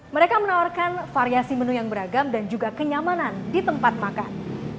mereka menawarkan variasi menu yang beragam dan juga kenyamanan di tempat makan